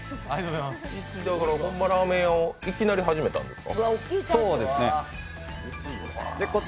ホンマにラーメン屋をいきなり始めたんですか？